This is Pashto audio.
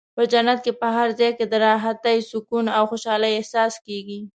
په جنت کې په هر ځای کې د راحتۍ، سکون او خوشحالۍ احساس کېږي.